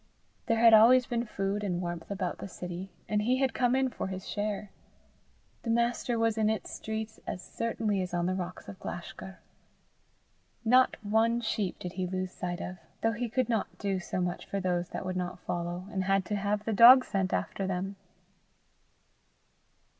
There had always been food and warmth about the city, and he had come in for his share! The Master was in its streets as certainly as on the rocks of Glashgar. Not one sheep did he lose sight of, though he could not do so much for those that would not follow, and had to have the dog sent after them!